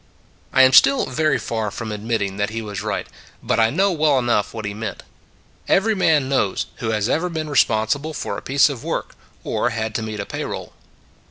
I am still very far from admitting that he was right, but I know well enough what he meant. Every man knows who has ever been responsible for a piece of work, or had to meet a pay roll.